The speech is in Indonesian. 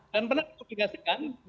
dan pernah dipublikasikan